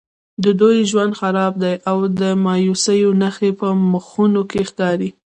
د دوی ژوند خراب دی او د مایوسیو نښې په مخونو کې ښکاري.